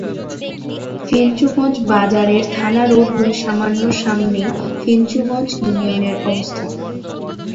ফেঞ্চুগঞ্জ বাজারের থানা রোড হয়ে সামান্য সামনেই ফেঞ্চুগঞ্জ ইউনিয়নের অবস্থান।